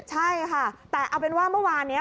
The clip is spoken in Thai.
ใช่ค่ะแต่เอาเป็นว่าเมื่อวานนี้